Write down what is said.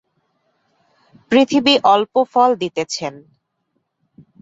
পৃথিবী অল্প ফল দিতেছেন।